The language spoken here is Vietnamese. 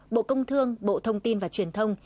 bộ công thương bộ thông tin và truyền thông